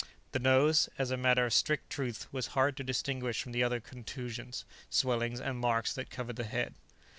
The nose, as a matter of strict truth, was hard to distinguish from the other contusions, swellings and marks that covered the head.